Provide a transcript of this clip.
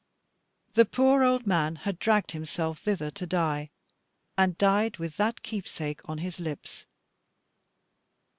The poor old man had dragged himself thither to die, and died with that keepsake on his lips.